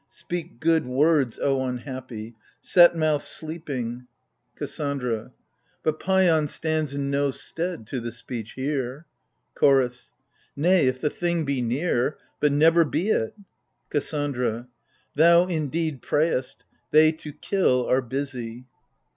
Speak good words, O unhappy ! Set mouth sleeping ! io6 AGAMEMNON. KASSANDRA. But Paian stands in no stead to the speech here. CHORDS. Nay, if the thing be near : but never be it ! KASSANDRA. Thou, indeed, prayest : they to kill are busy